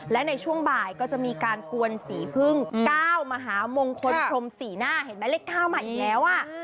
และในช่วงบ่ายก็จะมีการกวนสีพึ่ง๙มหามงคลพรม๔หน้าเห็นไหมเลข๙มาอีกแล้วอ่ะ